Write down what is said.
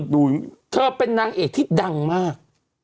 เธอเป็นนางเอกที่ดังมาก